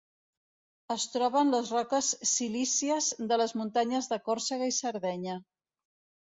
Es troba en les roques silícies de les muntanyes de Còrsega i Sardenya.